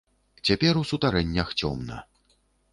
Цяпер у сутарэннях цёмна.